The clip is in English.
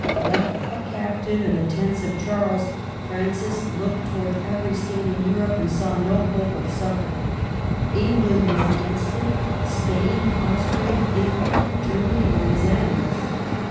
Left a captive in the tents of Charles, Francis looked towards every State in Europe and saw no hope of succor. England was against him ; Spain, Austria, Italy, Germany, were his enemies.